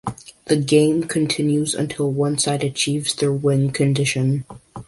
The game continues until one side achieves their win condition.